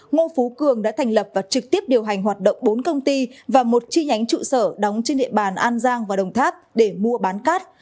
ngô phú cường đã thành lập và trực tiếp điều hành hoạt động bốn công ty và một chi nhánh trụ sở đóng trên địa bàn an giang và đồng tháp để mua bán cát